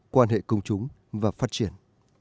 quan hệ công chúng và phát triển